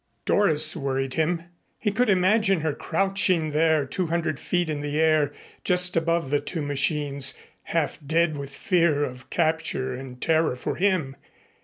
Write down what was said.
Doris worried him. He could imagine her crouching there two hundred feet in the air just above the two machines, half dead with fear of capture and terror for him.